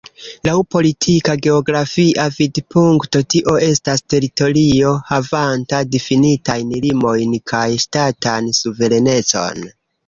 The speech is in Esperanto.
Laŭ politika-geografia vidpunkto, tio estas teritorio havanta difinitajn limojn kaj ŝtatan suverenecon.